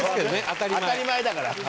当たり前だから。